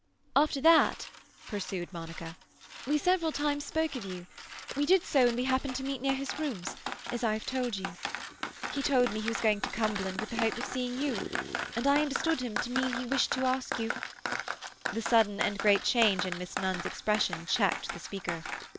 "After that," pursued Monica, "we several times spoke of you. We did so when we happened to meet near his rooms—as I have told you. He told me he was going to Cumberland with the hope of seeing you; and I understood him to mean he wished to ask you—" The sudden and great change in Miss Nunn's expression checked the speaker.